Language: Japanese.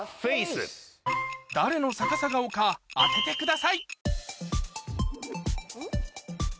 誰の逆さ顔か当ててください